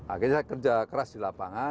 akhirnya saya kerja keras di lapangan